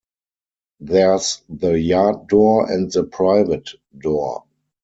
There's the yard door and the private door.